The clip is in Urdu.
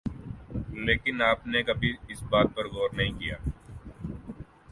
لیکن آپ نے کبھی اس بات پر غور کیا ہے